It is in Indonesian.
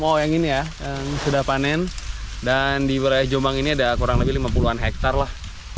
oh yang ini ya yang sudah panen dan di wilayah jombang ini ada kurang lebih lima puluh an hektare lah